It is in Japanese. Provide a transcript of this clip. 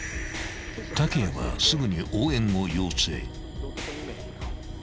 ［竹谷はすぐに応援を要請］